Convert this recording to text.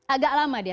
agak lama dia